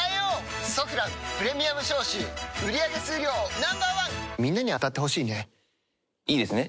「ソフランプレミアム消臭」売り上げ数量Ｎｏ．１みんなに当たって欲しいねいいですね？